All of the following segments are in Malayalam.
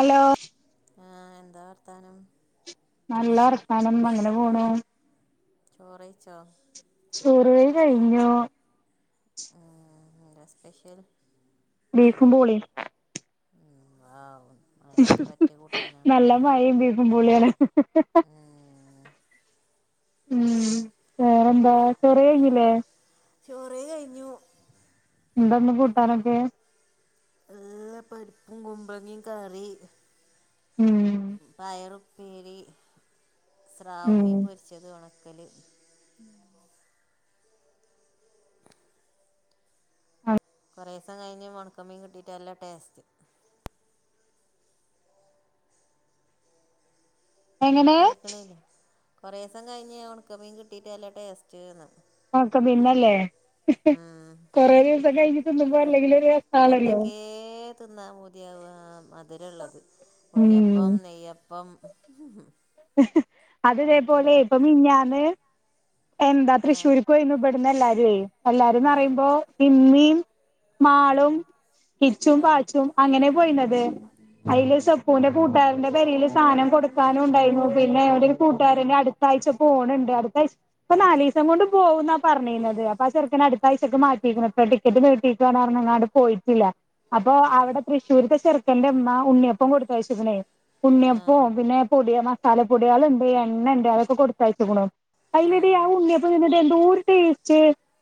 അലോ. ആഹ് എന്താ വർത്താനം? നല്ല വർത്താനം അങ്ങനെ പോണ്. ചോറൈച്ചോ? ചോർ വൈ കഴിഞ്ഞു. ഹ്മ് എന്താ സ്പെഷ്യൽ? ബീഫും പൂളീം. ഹ്മ് വാഉ നല്ല മയിം ബീഫുംപൂളിയാണ്. ഉം, ഉം വേറന്താ ചോറൈ കൈഞ്ഞിലെ? ചോറൈ കൈഞ്ഞു. എന്താന്ന് കൂട്ടാനൊക്കെ? ഏഹ് പരിപ്പും കുമ്പ്ളങ്ങിം കറി ഉം ഹ് പയറു പ്പേരി സ്രാവ്മീൻ ഉം പൊരിച്ചത്, ഒണക്കൽ. [inaudible] കൊറേസം കഴിഞ്ഞ് ഒണക്ക മീൻ കിട്ടിയിട്ട് നല്ല ടേസ്റ്റ്. എങ്ങനെ കേൾക്കണില്ല കുറേ ദിവസം കഴിഞ്ഞ് ഉണക്കമീൻ കിട്ടീട്ട്നല്ല ടേസ്റ്റ്ന്ന് ആക്ക പിന്നല്ലേ കൊറേ ദിവസം കൈഞ്ഞ് തിന്നുമ്പോ അല്ലെങ്കിലും. എന്തക്കെ തിന്നാ പൂതിയാവ്അ മധുരള്ളത്. ഉം ഉണ്ണ്യപ്പം, നെയ്യപ്പം ഹ്മ് ഹ്. അത് ഇതേപോലെ ഇപ്പ മിഞ്ഞാന്ന്. എന്താ ആഹ് തൃശ്ശൂരി പോയിരുന്നു ഇവിട്ന്ന് എല്ലാരുഎ എല്ലാരുംന്ന് ആഹ് പറിംമ്പോ ഇമ്മിം. മാളും, ഉം ഇച്ചും, ആഹ് പാച്ചും. അങ്ങനെ പോയിന്നത് അയ്ല് ആഹ് സപ്പൂന്റെ കൂട്ടാരന്റെ പെരിൽ സാനം കൊട്ക്കാനുംണ്ടായി. പിന്നെ ഒര് കൂട്ടാരന് അടുത്താഴ്ച പോണ് ണ്ട്. അടുത്താഴ്ച ഇപ്പൊ നാലീസം കൊണ്ട് പോകുന്നാ പറഞ്ഞിരുന്നത് പ്പ ആ ചെറക്കനട്ത്ത ആഴ്ച്ചക്ക് മാറ്റിക്കണ്. പ്പൊ ടിക്കറ്റ് നീട്ടീക്കാണ ർഞ്ഞിങ്ങാണ്ട് പോയിട്ടില്ല. അപ്പൊ ഉം അവടെ തൃശ്ശൂരിത്തെ ചെർക്കന്റെമ്മ ഉണ്ണിയപ്പം കൊടുത്തയച്ച്ക്ക്ണേ ആഹ് ഉണ്ണിയപ്പവും പിന്നെ പൊടി മസാല പൊടിയാളിണ്ട് എണ്ണണ്ട് അതാളൊക്കെ കൊടുത്തയച്ചക്കണു അയ്‌നെടി ആ ആഹ് ഉണ്ണിയപ്പം തിന്നിട്ട് എന്തോ ഒരു ടേസ്റ്റ്.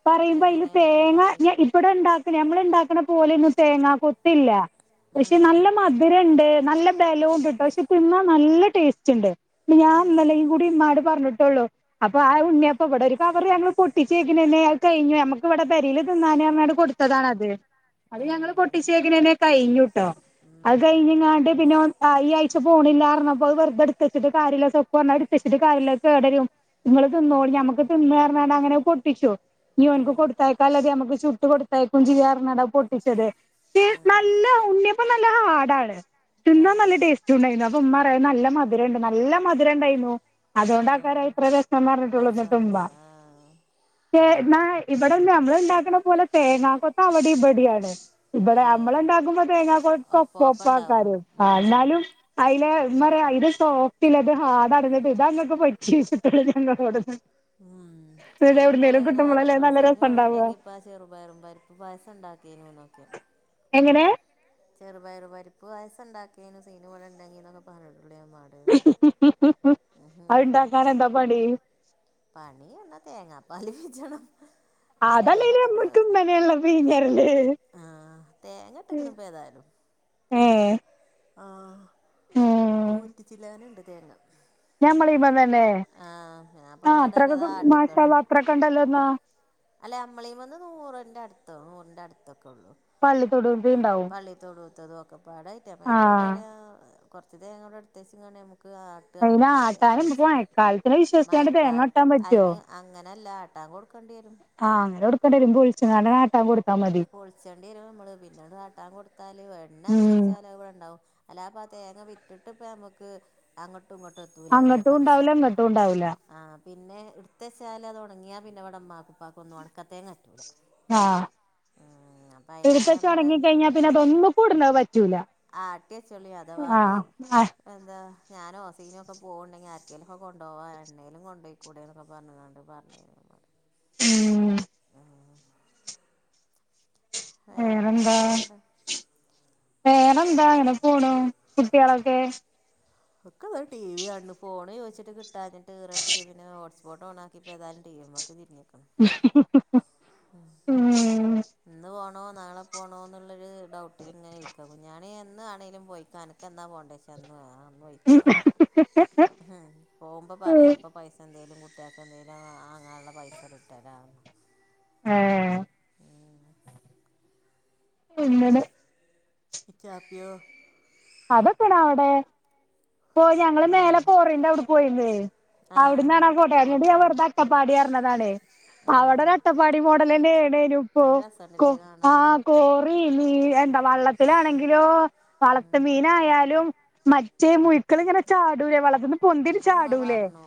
പറയുമ്പ അയില് എങ്ങനെ ഓലെ തേങ്ങ ഉണ്ടാക്കി ഞ ഇടെ ണ്ടാക്ക്ല്യെ അമ്മൾ ണ്ടാക്ക്ണ പോലന്നും തേങ്ങാ കൊത്തില്ല. പക്ഷെ ഉം നല്ല മ ധ്‌രണ്ട്. നല്ല ബലോണ്ട് ട്ടൊ. ക്ഷെ തിന്നാ നല്ല ടേസ്റ്റ്ണ്ട്. ഞാ ന്നലെ ഏഹ് പ്പൂടി മ്മാട് പർഞ്ഞ്ട്ടുള്ളു. അപ്പൊ ആ ഉണ്ണിയപ്പം ഇവ്ടെരുകവർ ഞങ്ങൾ പൊട്ടിച്ചേക്കിനെന്നെ അഅ് കഴിഞ്ഞു. അമ്മക് ക്ക് വ്വടെ പെരേല് തിന്നാനെർഞ്ഞാണ്ട് കൊട്ത്തതാണത്. അത് ഉം ഞങ്ങള് പൊട്ടിച്ചേക്കിനന്നെ കഴിഞ്ഞുട്ടോ കയിഞ്ഞിങ്ങാണ്ട്. പിന്നെ ഓൻ ആയ് ഈ ആഴ് പോണില്ലാർഞ്ഞപ്പൊ അഅ് വെർതെ ട് ക്കച്ചിട്ട് കാര്യല്ല. സെപ്പുഅർണാ അതിട്ത്തച്ചിട്ട് കാര്യല്ല. അഅ് കേടരും. നിങ്ങള് തിന്നോളി ഞമ്മുക്ക് തിന്നറഞ്ഞ്ങ്ങാണ്ട് അങ്ങനെ പൊട്ടിച്ചു യോ ഓന്ക്ക് ഉം കൊടുത്തയക്കാള്ളത് അമ്മക്ക് ചുട്ട് കൊടുത്തായക്കും ചെയ്യാർഞ്ഞാണ്ട് ആപൊട്ടിച്ചത്. ഉം നല്ല ഉണ്ണിയപ്പ നല്ല ഹാർഡണ് ആഹ ച്ചൂണ്ടായിര്ന്നു. അപ്പൊ മ്മാ അറയാ നല്ല മധുര ഇണ്ട്. നല്ല മധുരംണ്ടായിരുന്നു. അതോണ്ടാക്കാരം ആഹ് ഇത്ര ധികം [unintelligible] രസന്ന് മ്പ ആഹ് ഏ എന്നാ ഇവടൊന്നു അമ്മള്ണ്ടാക്കണ പോലെ തേങ്ങാകൊത്ത് അവടി ഇപടിയാണ്. ഇപടെ ഏഹ് അമ്മളെണ്ടാക്കുമ്പ തേങ്ങാ കൊത്ത ഒപ്പൊ ഒപ്പാക്കാരം. ഒപ്പോപ്പണ്ടാവോലോ ആ ഉം ന്നാലും അയിലെ മ്മ അറയാ അയ്ല് സോഫ്റ്റ് ഇല്ല ത് ഹാർഡ് ആണ്ന്ന്. ന്ന്ട്ട് ഇതാ ഇങ്ങക് പിട് ചീച്ചിട്ട്ള്ളത് ഞങ്ങളോടന്ന് ഉം. ഇത് ഞാനും മ്മാനോട് എവിടുന്നേലും അങ്ങനെ കിട്ടുമ്പോളല്ലേ പറഞ്ഞിട്ടൊള്ളു നല്ല സിനു രസം ഉണ്ടാവുക വ്ടെണ്ടെങ്കി പ്പാ ആ ചെറുപയറും പരിപ്പ് പായസ ണ്ടാക്കീനുന്നൊക്കെ എങ്ങനെ ചെറുപയറു പരിപ്പ് പായസംണ്ടാക്കേനും സിനു ബടെ ണ്ടങ്കി ന്നൊക്കെ പറഞ്ഞിട്ടുണ്ടെയ്നു പോലെ മ്മ മ് മ് മ് അഅ് ണ്ടാക്കാന് എന്താ പണി? പണി എർണാ തേങ്ങാപ്പാലി പിജ്ജണം. അതല്ലേലും മ്മക്ക് ഇമ്മനെണല്ലോ [unintelligible] ഞ്ഞരല് ആഹ്. തേങ്ങട്ട്ക്കണ് പ്പ ഏതായാലും. ഏ.. ആ ഉം നൂറ്റി ചില്ലാനണ്ട് തേങ്ങ ഞമ്മളീമ തന്നെ ആഹ്. ഞാൻപ്പൊ ആ മ്മാനോടറീ അത്രക്കൊക്കെ ആട്ടിക്കാളി മാഷാഅള്ളാ അത്രൊക്കെ ഉണ്ടല്ലോ എന്നാ അല്ല അമ്മളീമന്ന് നൂറിൻ്റെ അടുത്തൊ നൂറിൻ്റെ അടുത്തൊക്കെ ഉള്ളൂ പള്ളിത്തൊടൂൻ്റീണ്ടാവും. ത്തോടൂത്തതും ഒക്കൊപ്പാടായിട്ട അപ്പം ഞാമാടറയാ കുറച്ച് തേങ്ങബടെ ഇടുത്തേച്ചങ്ങാണ്ട് ഞമ്മക് ആ ട്ട്അ. അയിന് അതെ. ആട്ടാനും വെൾച ഇപ്പ മഴക്കാലത്തിനെ വിശ്വസിച്ചാണ്ട് തേങ്ങ മയക്കാൽ വെട്ടാൻ പറ്റോ അയിന് അങ്ങനെ അല്ലാ ആട്ടാ കൊടുക്ക ആഹ്. അങ്ങനൊട്ക്കേണ്ടിരും. ബുള്ച്ചിങ്ങാണ്ട് ആട്ടാം കൊട് അ പൊൾച്ചെണ്ടിരുംമ്മള്. പിന്നെത് ആട്ടാൻ കൊട്ത്താല് എണ്ണ ഉം ആക്കിയച്ചാല അഅ് വടെണ്ടാവും. അലാപ്പ ആ തേങ്ങ വിറ്റിട്ട്പ്പ അമ്മക്ക് അങ്ങൊട്ടും ഇങ്ങൊട്ടും അങ്ങട്ടൂണ്ടാവൂല. ങ്ങട്ടൂണ്ടാവൂല. ആഹ്. പിന്നെ ഇട്ത്തച്ചാലത് ഒണങ്ങിയാ പിന്നെ വടെ മ്മാക്കും, പ്പാക്കൊന്നും ഒണക്കത്തേങ്ങ ആഹ അപ്പം [unintelligible] അതിലേറെ ച്ചി ഞാൻ ഒണങ്ങി പറയും കഴിഞ്ഞാ പിന്നെ അതൊന്നുക്കൂട്ണെ പറ്റൂല. ആട്ടിയച്ചോളി. അതവാ ഞ്ഞി ആഹ് ആഹ് അന്താ. ഞാനോ സിനൊക്കെ പോവുണ്ടെങ്കി ആര്ക്കേലൊക്കെ കൊണ്ടോവാ എണ്ണേലും കൊണ്ടോയ്ക്കൂടെന്നൊക്കെ പറഞ്ഞിങ്ങാണ്ട് പർഞ്ഞെ ഉം ആഹ് വേറെ വേറെന്താ എന്തൊക്കെയാണണ്ടോ വേറെന്താ അങ്ങനെ പോണ കുട്ടികളൊക്കെ ഒക്കെ ടി വി ആണ് ഫോൺ ചോദിച്ചിട്ട് കിട്ടാഞ്ഞിട്ട് റച്ച് പിന്നെ ഹോട്ട്സ്പോട്ട്ഓണ നിപ്പോ ഏതായാലും ടിഎംക്ക തിഞ്ഞെക്കണം [unintelligible] ആഹ ഉം ഇന്ന് പോണോ നാളെ പോണോ എന്നുള്ളൊരു ഡൗട്ടിൽ ഇങ്ങനെ ഇരിക്ക ഞൻ എന്നാണേങ്കിലും പോയിക്കൻ എന്നാ പോണ്ടേയിക്ക പോവുമ്പോൾ പറയാം അപ്പം പൈസ എന്തേലും കുട്ടികൾക്ക് എന്തേങ്കലും അങ്ങാനുള്ള പൈസ ഇറ്റരാ ആ ഉ അങ്ങാണ് ഇഥാപിയ അതൊക്കെയണ അവിടെ പോ ഞങ്ങള് മേലെ പോറണ്ട് അവിടെ പോയിന്ന് ആഹ് അവിടന്നാണാ ഫോട്ടോ ഫോട്ടം കണ്ടു [unintelligible] അട്ടപ്പാടി അറഞ്ഞതാണേ അവിടെ ആഹ് അട്ടപ്പാടി മോഡല തന്ന ആണേന ഇപ്പൊ നല്ല കോ രസണ്ട്ല്ലേ ആ കാണാന് കോ നീ എന്താ വള്ളത്തിലാണെങ്കിലോ വ ഉം ആയാലും മറ്റേ മുഴുക്കള ഇങ്ങനെ ചാടൂലെ വളർത്തന്ന് പൊന്തിന് അത് ഉമ്മ ചാടൂലേ പറഞ്ഞു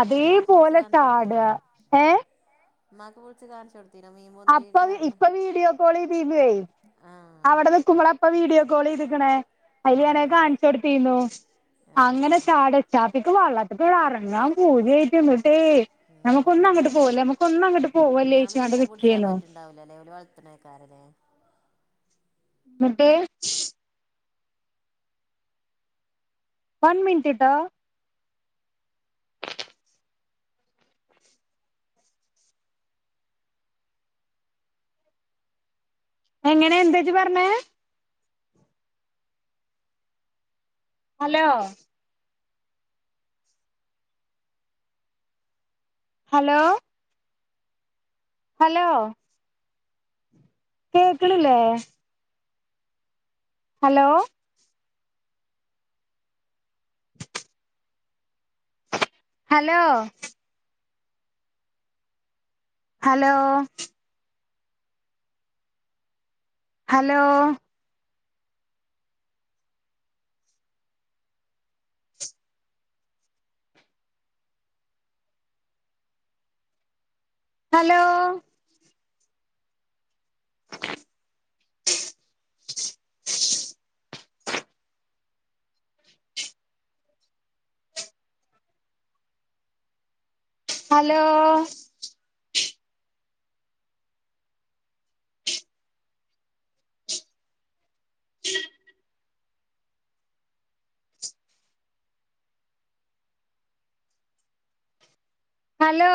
അപ്പൊ ഇജ്ജ് ഉമ്മാക്ക് ചാടുക ഏ മാക്ക് പളിച്ച് കാണിച്ചു കൊടുക്കു അപ്പൊ ഇപ്പൊ വീഡിയോ കോൾ ചെയ്തിന് ആഹ് അവിടന്ന് കുമ്പള അപ്പ വീഡിയോ കോൾ ചെയ്തുക്കണേ ഉം അതില്നെ കാണിച്ചോടുത്തീന് അങ്ങനെ ആഹ് ചാടച്ചാപ്പിക്ക് വെള്ളത്തിക്കടെ ഇറങ്ങാൻ പൂജ ആയിട്ടന്നിട്ടേ നമുക്ക ഒന്ന ഉം അങ്ങട്ട് പോല്ല നമക്ക് ഒന്ന അങ്ങട്ട് പോവലേയിച്ചു ഉണ്ടാവ അല്ലെ വളത്തണക്കാരല്ലേ [unintelligible] വൺ മിനിറ്റ്ട്ട എങ്ങനാ എന്താജ് പറഞ്ഞത് ഹലോ ഹലോ ഹലോ കേക്കളില്ലേ hello hello hello hello hello [inaudible] hello ഉ ഹലോ